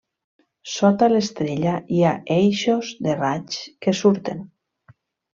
Sota l'estrella hi ha eixos de raigs que surten.